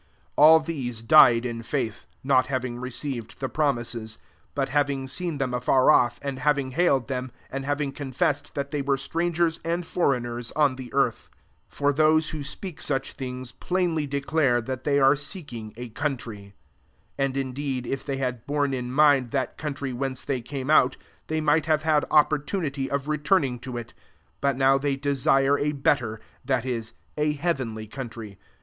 13 All these died in faith, not having received the pro mises, but having seen them afar off, and having hailed rileiRi and having confessed that they were strangers and foreigners on the earth. 14 For those who speak such things, phdnlf de clare that they are se^uBg a country. 15 And indeed if they had borne in mind that country whence they came out, they might have had opportunity of returning to it : 16 but now they desire a better, that is, a hea venly country.